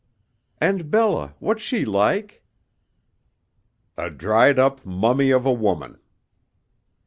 "And Bella, what's she like?" "A dried up mummy of a woman."